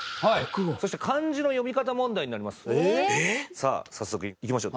さあ早速いきましょう。